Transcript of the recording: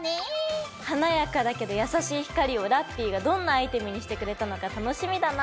華やかだけど優しい光をラッピィがどんなアイテムにしてくれたのか楽しみだな。